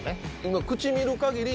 今口見る限り。